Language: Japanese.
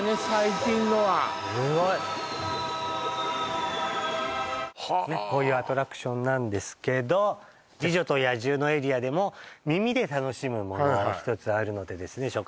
最近のはすごいはあこういうアトラクションなんですけど「美女と野獣」のエリアでも耳で楽しむもの１つあるのでですね